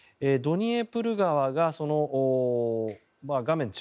ドニエプル川が画面